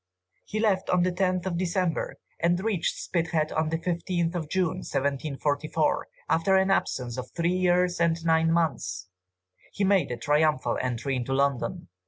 He left on the 10th of December, and reached Spithead on the 15th of June, 1744, after an absence of three years and nine months. He made a triumphal entry into London.